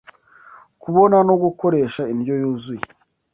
kubona no gukoresha indyo yuzuye,